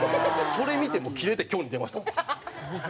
それ見てもうキレてきょんに電話したんですよ。